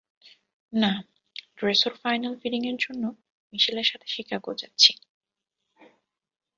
না, ড্রেসর ফাইনাল ফিটিংয়ের জন্য মিশেলের সাথে শিকাগো যাচ্ছে।